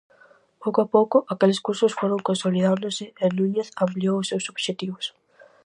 Pouco a pouco aqueles cursos foron consolidándose e Núñez ampliou os seus obxectivos.